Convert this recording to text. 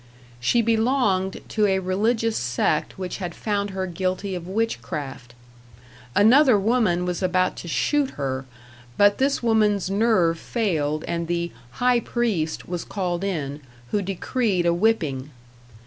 She belonged to a religious sect which had found her guilty of witchcraft. Another woman was about to shoot her, but this woman's nerve failed, and the "high priest" was called in, who decreed a whipping.